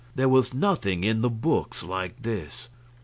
There was nothing in the books like this.